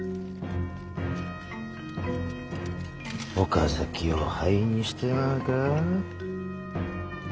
岡崎を灰にしてまうか？